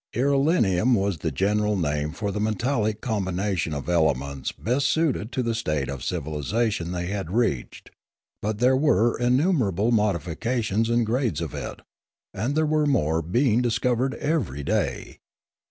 Ire lium was the general name for the metallic combination of elements best suited to the state of civilisation they had reached; but there were innumerable modifica tions and grades of it, and there were more being discovered every day.